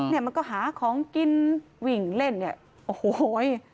เนี่ยมันก็หาของกินวิ่งเล่นเนี่ยโอ้โห